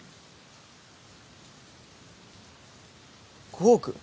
５億！？